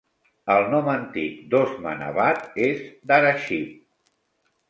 El nom antic d"Osmanabad és Dharashiv.